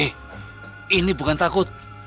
eh ini bukan takut